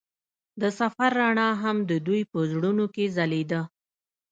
د سفر رڼا هم د دوی په زړونو کې ځلېده.